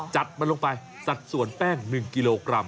จัดมันลงไปสัดส่วนแป้ง๑กิโลกรัม